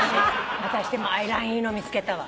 私でもアイラインいいの見つけたわ。